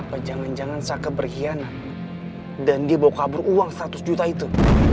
apa jangan jangan sake berkhianat dan dia bawa kabur uang seratus juta itu